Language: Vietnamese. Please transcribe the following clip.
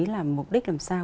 là mục đích làm sao